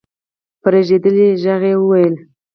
په رېږدېدلې غږ يې وويل: